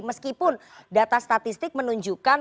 meskipun data statistik menunjukkan